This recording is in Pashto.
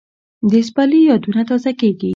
د سپرلي یادونه تازه کېږي